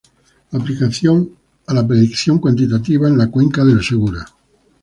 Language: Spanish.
Aplicación a la predicción cuantitativa en la cuenca del Segura.